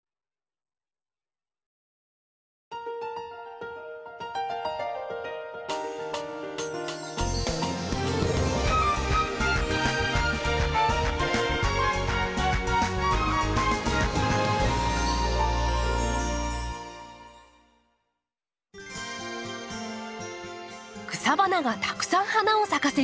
草花がたくさん花を咲かせる春。